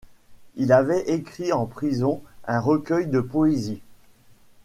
Il avait écrit en prison un recueil de poésie.